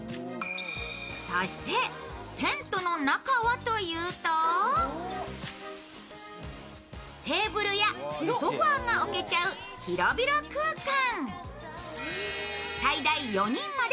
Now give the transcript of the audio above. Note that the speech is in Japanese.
そして、テントの中はというとテーブルやソファーが置けちゃう広々空間。